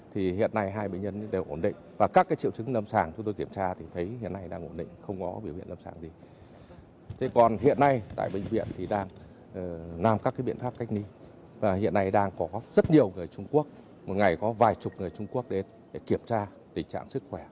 hiện nay đang có rất nhiều người trung quốc một ngày có vài chục người trung quốc đến kiểm tra tình trạng sức khỏe